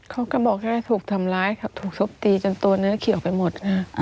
เขาก็บอกแค่ถูกทำร้ายถูกชกตีจนตัวเนื้อเขียวไปหมด